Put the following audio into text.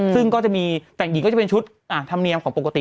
ซึ่งก็จะมีแต่งหญิงก็จะเป็นชุดธรรมเนียมของปกติ